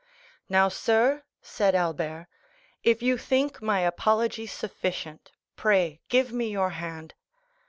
"Now, sir," said Albert, "if you think my apology sufficient, pray give me your hand.